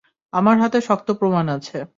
আমার হাতে শক্ত প্রমাণ আছে।